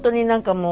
もう。